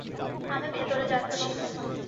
আমি ভেতরে যাচ্ছি।